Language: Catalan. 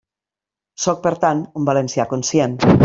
Sóc per tant un valencià conscient.